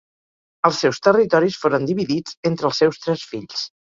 Els seus territoris foren dividits entre els seus tres fills.